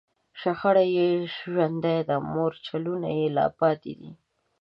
شخړه یې ژوندۍ ده، مورچلونه یې لا پاتې دي